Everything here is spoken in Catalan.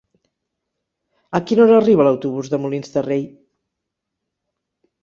A quina hora arriba l'autobús de Molins de Rei?